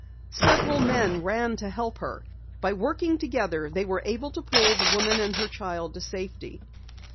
Several men ran to help her. By working together, they were able to pull the woman and her child to safety.